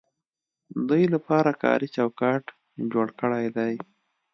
دوی لپاره کاري چوکاټ جوړ کړی دی.